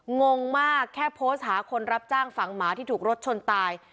งงมากแค่โพสต์หาคนรับจ้างฝังหมาที่ถูกรถชนตาย